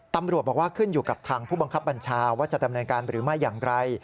ตำรวจบอกว่าขึ้นอยู่กับทางผู้บังคับบัญชาว่าจะดำเนินการหรือไม่อย่างไร